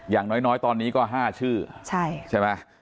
อย่างน้อยตอนนี้ก็๕ชื่อใช่ไหม